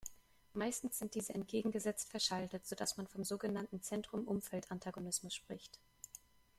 Meistens sind diese entgegengesetzt verschaltet, sodass man vom sogenannten "Zentrum-Umfeld-Antagonismus" spricht.